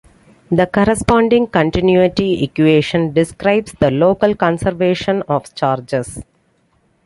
The corresponding continuity equation describes the local conservation of charges.